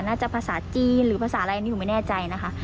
น่าจะภาษาจีนหรือภาษาอะไรนี่หนูไม่แน่ใจนะคะ